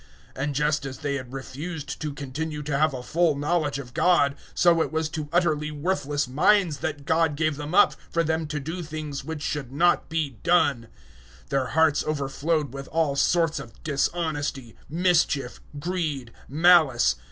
001:028 And just as they had refused to continue to have a full knowledge of God, so it was to utterly worthless minds that God gave them up, for them to do things which should not be done. 001:029 Their hearts overflowed with all sorts of dishonesty, mischief, greed, malice.